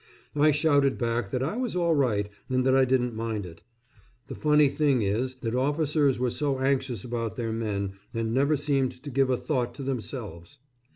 I shouted back that I was all right and that I didn't mind it. The funny thing is, that officers were so anxious about their men, and never seemed to give a thought to themselves.